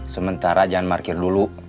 sementara jangan markir dulu